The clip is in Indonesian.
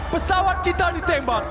pesawat kita ditembak